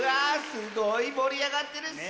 すごいもりあがってるッス！